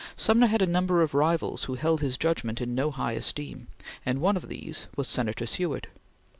Sumner had a number of rivals who held his judgment in no high esteem, and one of these was Senator Seward.